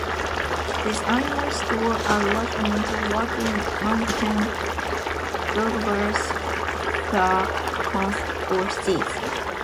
These animals store a large amount of Rocky Mountain Douglas-fir cones or seeds.